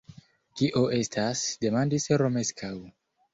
Kio estas? demandis Romeskaŭ.